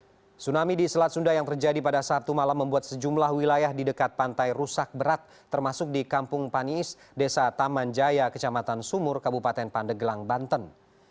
tsunami di selat sunda yang terjadi pada sabtu malam membuat sejumlah wilayah di dekat pantai rusak berat termasuk di kampung paniis desa taman jaya kecamatan sumur kabupaten pandeglang banten